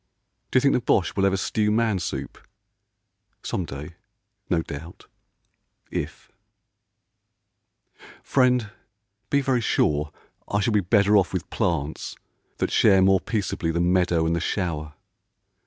D'you think the Boche will ever stew man soup ? Some day, no doubt, if ... Friend, be very sure I shall be better off with plants that share More peaceably the meadow and the shower.